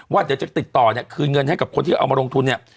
ว่าจะติดต่อเนี่ยคืนเงินให้พวกที่เอามารวงทุนเนี่ย